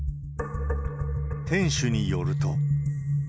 店主によると。